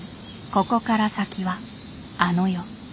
「ここから先はあの世」。